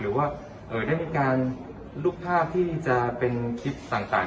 หรือว่าได้มีการรูปภาพที่จะเป็นคลิปต่าง